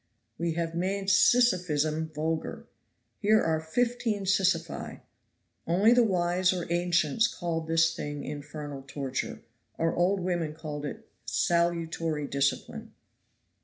We have made Sisyphism vulgar. Here are fifteen Sisyphi. Only the wise or ancients called this thing infernal torture; our old women call it salutary discipline."